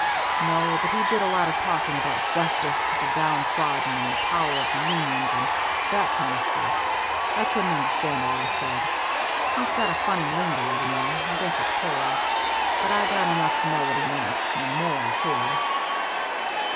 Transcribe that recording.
"No, but he did a lot of talking about justice to the down trodden and the power of the unions, and that kind of stuff. I couldn't understand all he said he's got a funny lingo, you know; I guess it's Polack but I got enough to know what he meant, and more, too."